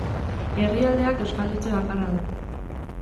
Herrialdeak euskal etxe bakarra du.